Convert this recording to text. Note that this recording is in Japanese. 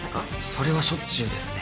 それはしょっちゅうですね。